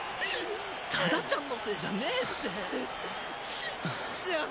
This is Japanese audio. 多田ちゃんのせいじゃねえって。